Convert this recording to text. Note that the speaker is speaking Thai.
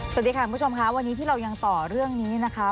สวัสดีค่ะคุณผู้ชมค่ะวันนี้ที่เรายังต่อเรื่องนี้นะคะ